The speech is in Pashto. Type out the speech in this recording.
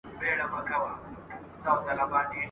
تر بدو ښه وي چي کړی نه کار !.